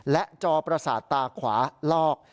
และจอปรสาติตาขวารอก